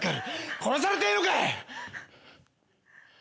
殺されてえのか！